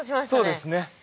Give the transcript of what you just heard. そうですね。